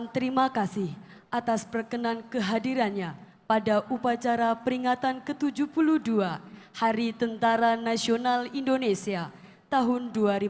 terima kasih atas perkenan kehadirannya pada upacara peringatan ke tujuh puluh dua hari tentara nasional indonesia tahun dua ribu dua puluh